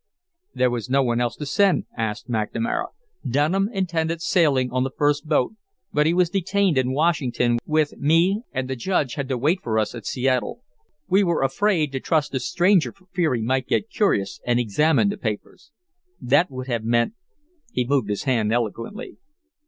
"There was no one else to send," answered McNamara. "Dunham intended sailing on the first boat, but he was detained in Washington with, me, and the Judge had to wait for us at Seattle. We were afraid to trust a stranger for fear he might get curious and examine the papers. That would have meant " He moved his hand eloquently.